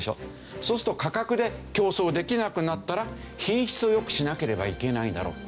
そうすると価格で競争できなくなったら品質を良くしなければいけないだろうと。